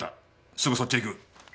すぐそっちへ行く。